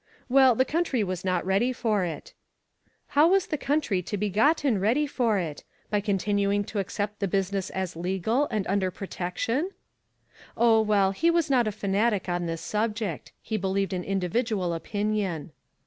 Well, the country was not ready for it. How was the country to be gotten ready for it? By continuing to* accept the business as legal and under protection? Oh, well, he was not a fanatic on this subject. He believed in individual opinion.